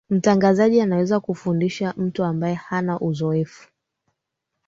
mtangazaji anaweza kumfundisha mtu ambaye hana uzoefu